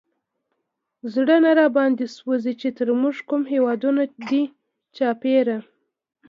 زړه نه راباندې سوزي، چې تر مونږ کوم هېوادونه دي چاپېره